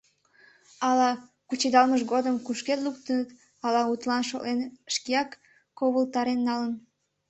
Ала кучедалмыж годым кушкед луктыныт, ала, утылан шотлен, шкеак ковылтарен налын.